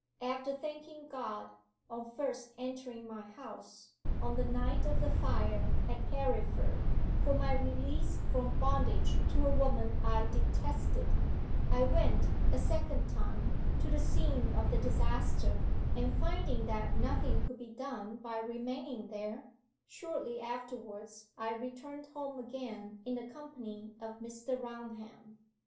'After thanking God, on first entering my house, on the night of the fire at Carriford, for my release from bondage to a woman I detested, I went, a second time, to the scene of the disaster, and, finding that nothing could be done by remaining there, shortly afterwards I returned home again in the company of Mr. Raunham.